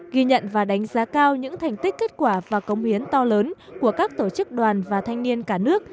ghi nhận và đánh giá cao những thành tích kết quả và công hiến to lớn của các tổ chức đoàn và thanh niên cả nước